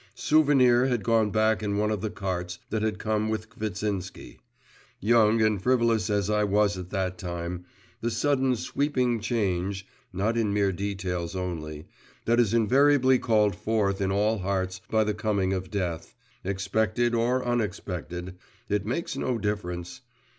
Souvenir had gone back in one of the carts that had come with Kvitsinsky. Young and frivolous as I was at that time, the sudden sweeping change (not in mere details only) that is invariably called forth in all hearts by the coming of death expected or unexpected, it makes no difference!